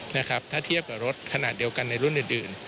นะครับถ้าเทียบกับรถขนาดเดียวกันในรุ่นอื่น